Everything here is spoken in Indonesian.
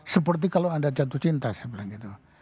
seperti kalau anda jatuh cinta saya bilang gitu